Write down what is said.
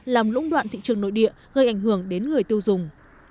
làm lũng đoạn thị trường nội địa gây ảnh hưởng đến người tiêu dùng